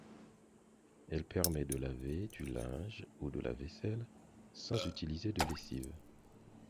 Elle permet de laver du linge ou de la vaisselle sans utiliser de lessive.